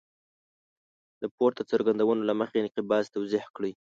د پورته څرګندونو له مخې انقباض توضیح کړئ.